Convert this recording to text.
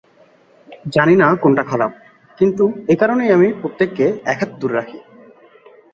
জানি না কোনটা খারাপ, কিন্তু একারণেই আমি প্রত্যেককে এক হাত দূরে রাখি।